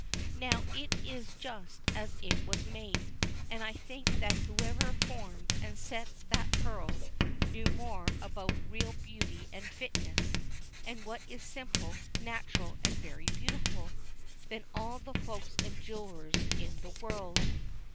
Now it is just as it was made, and I think that Whoever formed and set that pearl knew more about real beauty and fitness, and what is simple, natural, and very beautiful, than all the Folks and jewellers in the world.